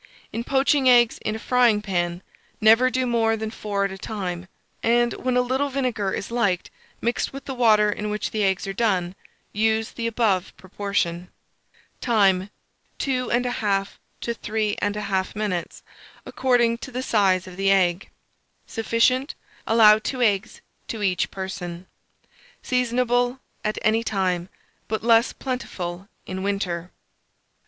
In poaching eggs in a frying pan, never do more than four at a time; and, when a little vinegar is liked mixed with the water in which the eggs are done, use the above proportion. Time. 2 1/2 to 3 1/2 minutes, according to the size of the egg. Sufficient. Allow 2 eggs to each person. Seasonable at any time, but less plentiful in winter.